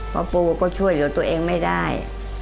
พ่อปูก็ช่วยอยู่ตัวเองไม่ได้